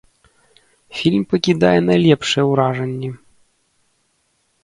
Фільм пакідае найлепшыя ўражанні.